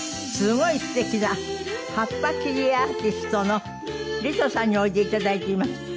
すごい素敵な葉っぱ切り絵アーティストのリトさんにおいでいただいています。